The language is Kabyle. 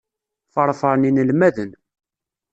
Ffṛefṛen inelmaden.